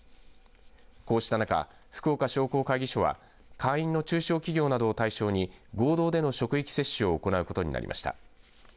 こうした中、福岡商工会議所は会員の中小企業などを対象に合同での職域接種を行うことになりました。